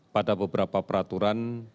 pada beberapa peraturan